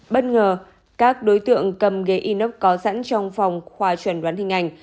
bất ngờ các đối tượng cầm ghế inox có sẵn trong phòng khoa chuẩn đoán hình ảnh